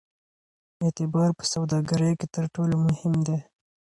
اعتبار په سوداګرۍ کې تر ټولو مهم دی.